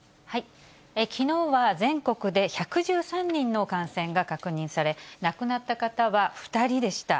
きのうは全国で１１３人の感染が確認され、亡くなった方は２人でした。